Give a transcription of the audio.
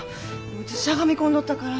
うちしゃがみこんどったから。